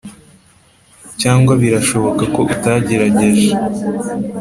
cyangwa birashoboka ko utategereje: